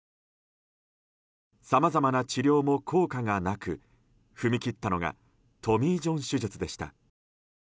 さまざまな治療も効果がなく踏み切ったのがトミー・ジョン手術でした。